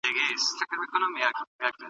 دولتونه د نورو هیوادونو له تجربو ګټه اخلي.